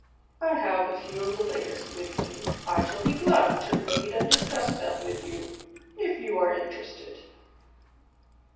I have a few of the latest with me. I shall be glad to read and discuss them with you if you are interested."